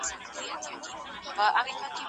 احساسات په علم کي ځای نه لري.